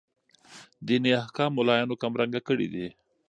ديني احكام ملايانو کم رنګه کړي دي.